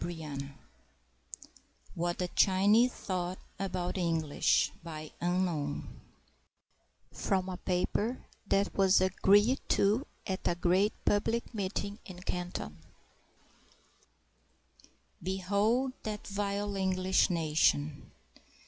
] WHAT THE CHINESE THOUGHT ABOUT THE ENGLISH (From a paper that was agreed to at a great public meeting in Canton) Behold that vile English nation!